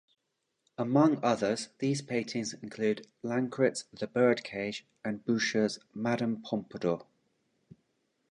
Among others these paintings include Lancret's "The Bird Cage" and Boucher's "Madame Pompadour.